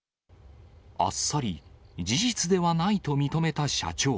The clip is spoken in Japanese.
あっさり事実ではないと認めた社長。